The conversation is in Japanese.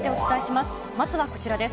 まずはこちらです。